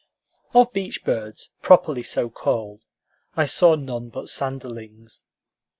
Of beach birds, properly so called, I saw none but sanderlings.